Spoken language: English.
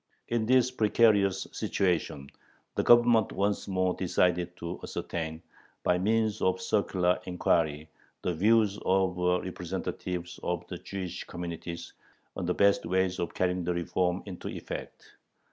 In this precarious situation the Government once more decided to ascertain, by means of a circular inquiry, the views of the representatives of the Jewish communities on the best ways of carrying the "reform" into effect.